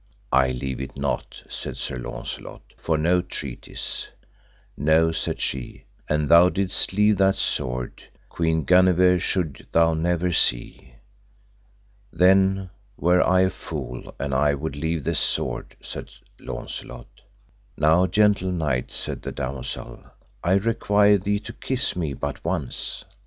I leave it not, said Sir Launcelot, for no treaties. No, said she, an thou didst leave that sword, Queen Guenever should thou never see. Then were I a fool an I would leave this sword, said Launcelot. Now, gentle knight, said the damosel, I require thee to kiss me but once.